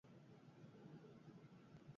Ekonomia lokalagoa egitea eskatuko luke horrek.